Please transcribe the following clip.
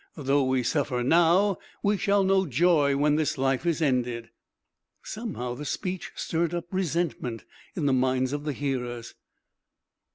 Though we suffer now, we shall know joy when this life is ended." Somehow, the speech stirred up resentment in the minds of the hearers.